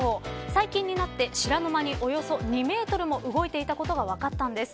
最近になって知らぬ間におよそ２メートルも動いていたことが分かったんです。